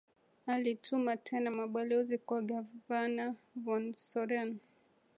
Alituma tena mabalozi kwa gavana von Soden